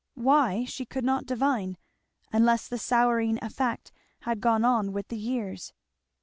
Why, she could not divine, unless the souring effect had gone on with the years.